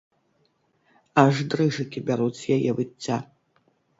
Аж дрыжыкі бяруць з яе выцця!